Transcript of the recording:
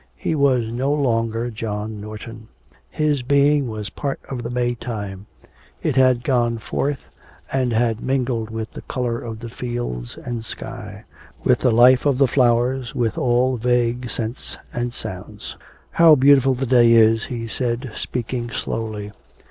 He was no longer John Norton. His being was part of the May time; it had gone forth and had mingled with the colour of the fields and sky; with the life of the flowers, with all vague scents and sounds. 'How beautiful the day is,' he said, speaking slowly.